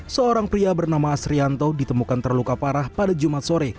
seorang pria bernama asrianto ditemukan terluka parah pada jumat sore